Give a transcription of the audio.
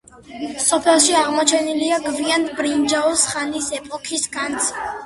სოფელში აღმოჩენილია გვიან ბრინჯაოს ხანის ეპოქის განძი.